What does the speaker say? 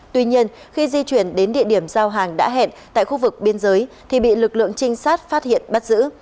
tuy nhiên khi di chuyển đến địa điểm giao hàng đã hẹn tại khu vực biên giới thì bị lực lượng trinh sát phát hiện bắt giữ